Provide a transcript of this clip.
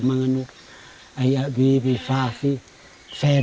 mungkin juga dikonsultasikan